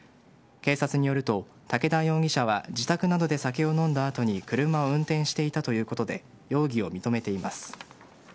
警察によると、竹田容疑者は自宅などで酒を飲んだ後に車を運転していたということで容疑を認めています。